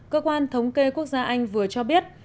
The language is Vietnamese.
cơ quan thống kê quốc gia anh vừa cho biết